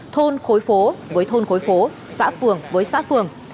thôn khối phố với thôn khối phố xã phường với xã phường